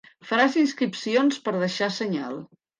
Faràs inscripcions per deixar senyal.